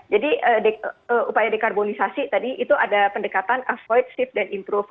jadi upaya dekarbonisasi tadi itu ada pendekatan avoid shift dan improve